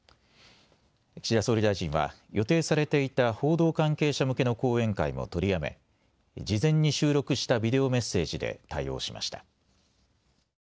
岸田総理大臣は予定されていた報道関係者向けの講演会も取りやめ、事前に収録したビデオメッセージで対応しました。